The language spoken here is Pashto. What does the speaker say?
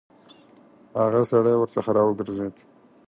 هغه سړی ورڅخه راوګرځېد.